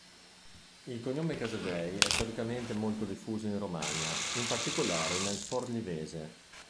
Il cognome Casadei è storicamente molto diffuso in Romagna, in particolare nel forlivese.